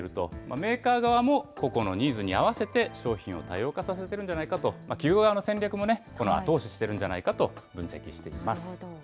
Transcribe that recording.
メーカー側も、個々のニーズに合わせて、商品を多様化させているんじゃないかと、企業側の戦略も後押ししているんじゃないかと分析しています。